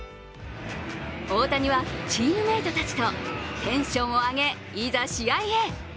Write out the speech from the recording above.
大谷はチームメートたちとテンションを上げ、いざ試合へ。